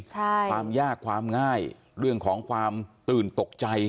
ใช่ความยากความง่ายเรื่องของความตื่นตกใจ